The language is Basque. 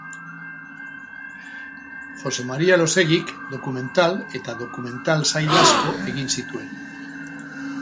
Jose Maria Elosegik dokumental eta dokumental sail asko egin zituen.